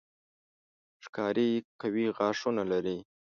ښکاري قوي غاښونه لري.